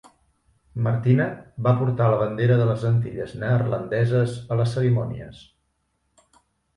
Martina va portar la bandera de les Antilles Neerlandeses a les cerimònies.